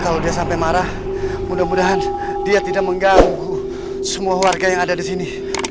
kalau dia sampai marah mudah mudahan dia tidak mengganggu semua warga yang ada di sini